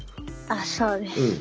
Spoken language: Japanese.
あそうです。